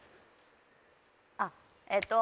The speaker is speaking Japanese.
あっえっと